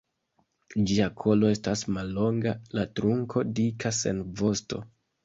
Ĝia kolo estas mallonga, la trunko dika sen vosto.